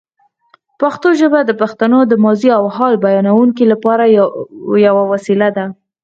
پښتو ژبه د پښتنو د ماضي او حال بیانولو لپاره یوه وسیله ده.